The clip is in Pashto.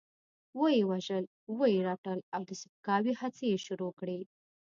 وه يې وژل، وه يې رټل او د سپکاوي هڅې يې شروع کړې.